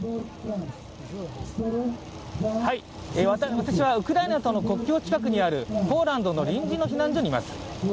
私はウクライナとの国境近くにあるポーランドの臨時の避難所にいます。